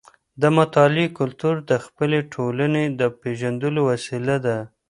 د مطالعې کلتور د خپلې ټولنې د پیژندلو وسیله ده.